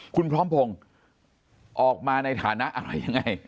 คุณพร้อมพงศ์ออกมาในฐานะอะไรยังไง